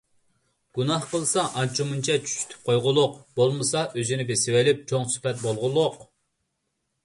گۇناھ قىلسا ئانچە-مۇنچە چۆچۈتۈپ قويغۇلۇق، بولمىسا ئۆزىنى بېسىۋېلىپ چوڭ سۈپەت بولغۇلۇق!